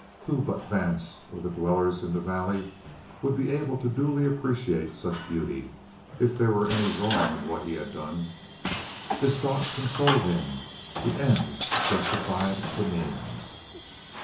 Who but Vance, or the dwellers in the valley, would be able to duly appreciate such beauty? If there were any wrong in what he had done, this thought consoled him: the ends justified the means.